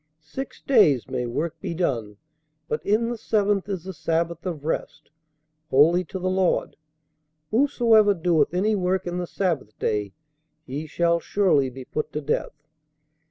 Six days may work be done; but in the seventh is the sabbath of rest, holy to the Lord; whosoever doeth any work in the sabbath day, he shall surely be put to death.